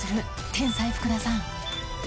天才福田さん